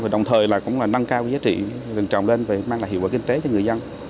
đồng thời cũng là nâng cao giá trị rừng trồng lên và mang lại hiệu quả kinh tế cho người dân